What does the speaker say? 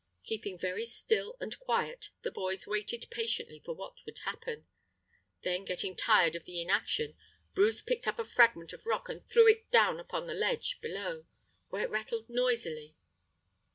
Keeping very still and quiet, the boys waited patiently for what would happen. Then, getting tired of the inaction, Bruce picked up a fragment of rock and threw it down upon the ledge below, where it rattled noisily.